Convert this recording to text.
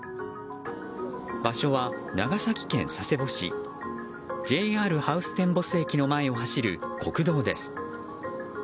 場所は長崎県佐世保市ＪＲハウステンボス駅の前を走る国道です。